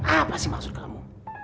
apa sih maksud kamu